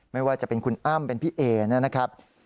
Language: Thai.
ไม่ว่าจะเป็นคุณอ้ำเป็นพี่เอนะครับ